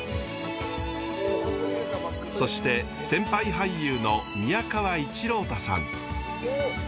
そして先輩俳優の宮川一朗太さん。